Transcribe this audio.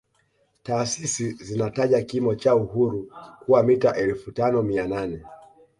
Taasisi zinataja kimo cha Uhuru kuwa mita elfu tano mia nane